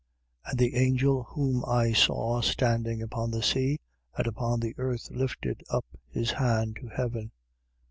10:5. And the angel whom I saw standing upon the sea and upon the earth lifted up his hand to heaven.